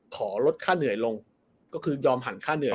ขอลดค่าเหนื่อยลงก็คือยอมหันค่าเหนื่อย